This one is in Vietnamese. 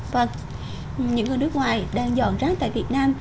và những người nước ngoài đang dọn rác tại việt nam